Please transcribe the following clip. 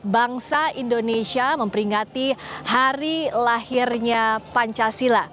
bangsa indonesia memperingati hari lahirnya pancasila